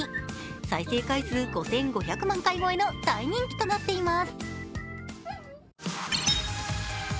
再生回数５５００万回超えの大人気となっています。